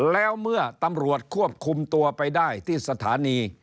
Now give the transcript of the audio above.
แล้วเมื่อตำรวจควบคุมตัวไปได้ที่สถานี